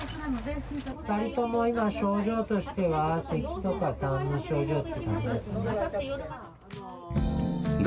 ２人とも今症状としては、せきとかたんの症状っていう感じですよね？